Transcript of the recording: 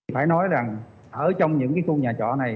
phải nói rằng ở trong những khu nhà trọ này